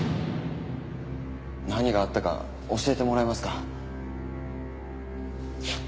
何があったか教えてもらえますか？